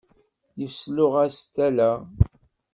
Yesluɣ-as tala.